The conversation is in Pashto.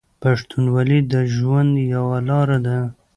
پښتونولي د ژوند یوه لار ده.